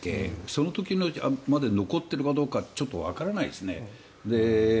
その時まで残っているかどうかはちょっとわからないですね。